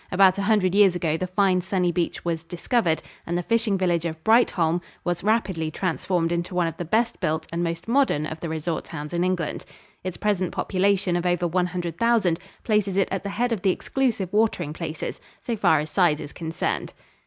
About a hundred years ago the fine sunny beach was "discovered" and the fishing village of Brightholme was rapidly transformed into one of the best built and most modern of the resort towns in England. Its present population of over one hundred thousand places it at the head of the exclusive watering places, so far as size is concerned.